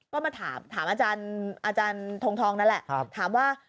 ก็มาถามอาจารย์ทงทองนั่นแหละถามว่า